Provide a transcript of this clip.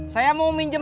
saya mau minjem